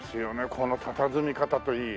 このたたずみ方といい。